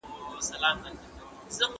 هغوی کیسې لولي.